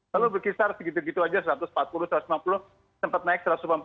lalu berkisar segitu gitu aja satu ratus empat puluh satu ratus lima puluh sempat naik satu ratus lima puluh